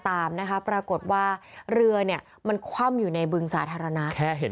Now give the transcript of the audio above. ตามนะคะปรากฏว่าเรือเนี่ยมันคว่ำอยู่ในบึงสาธารณะแค่เห็น